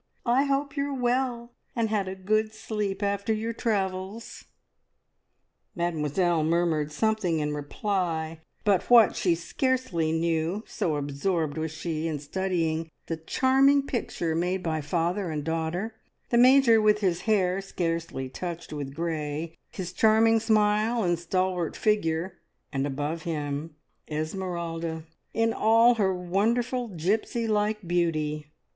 I hope you're well, and had a good sleep after your travels." Mademoiselle murmured something in reply, but what, she scarcely knew, so absorbed was she in studying the charming picture made by father and daughter, the Major with his hair scarcely touched with grey, his charming smile and stalwart figure, and above him Esmeralda, in all her wonderful, gipsy like beauty.